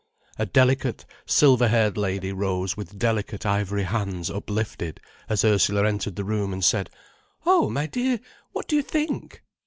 A delicate, silver haired lady rose with delicate, ivory hands uplifted as Ursula entered the room, and: "Oh, my dear, what do you think!"